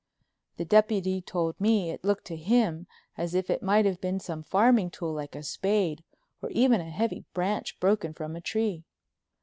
The deputy told me it looked to him as if it might have been some farming tool like a spade, or even a heavy branch broken from a tree.